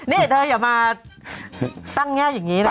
นี่เธออย่ามาตั้งแง่อย่างนี้นะ